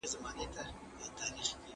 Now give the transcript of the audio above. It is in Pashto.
میانه روي غوره کړئ.